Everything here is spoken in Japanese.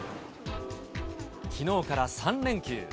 きのうから３連休。